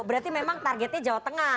berarti memang targetnya jawa tengah